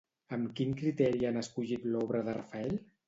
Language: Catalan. Amb quin criteri han escollit l'obra de Rafael?